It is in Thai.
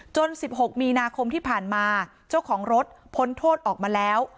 ๑๖มีนาคมที่ผ่านมาเจ้าของรถพ้นโทษออกมาแล้ว